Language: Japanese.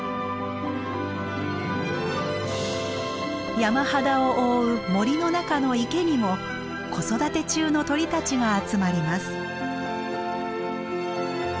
山肌を覆う森の中の池にも子育て中の鳥たちが集まります。